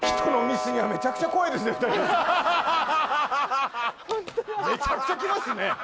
めちゃくちゃきますね